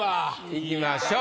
いきましょう。